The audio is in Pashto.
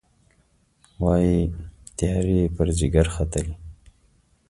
وايي، تیارې یې پر ځيګر ختلي